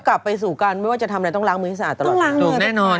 กลับไปสู่การไม่ว่าจะทำอะไรต้องล้างมือให้สะอาดตลอดแน่นอน